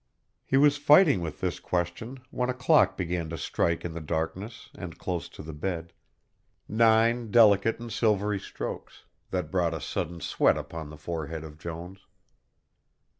He was fighting with this question when a clock began to strike in the darkness and close to the bed, nine delicate and silvery strokes, that brought a sudden sweat upon the forehead of Jones.